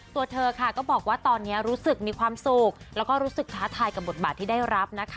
ตัวเธอค่ะก็บอกว่าตอนนี้รู้สึกมีความสุขแล้วก็รู้สึกท้าทายกับบทบาทที่ได้รับนะคะ